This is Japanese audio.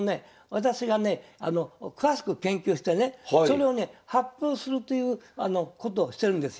私がね詳しく研究してねそれをね発表するということをしてるんですよ。